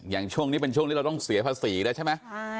อย่างช่วงนี้เป็นช่วงที่เราต้องเสียภาษีแล้วใช่ไหม